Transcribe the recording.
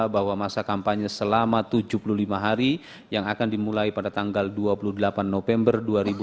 bahwa masa kampanye selama tujuh puluh lima hari yang akan dimulai pada tanggal dua puluh delapan november dua ribu dua puluh